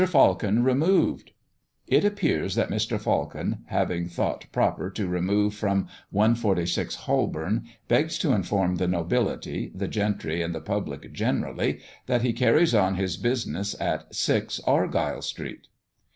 FALCON REMOVED." It appears that Mr. Falcon, having thought proper to remove from 146 Holborn, begs to inform the nobility, the gentry, and the public generally, that he carries on his business at 6 Argyle street.